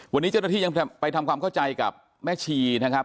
วันนี้เจ้าหน้าที่ยังไปทำความเข้าใจกับแม่ชีนะครับ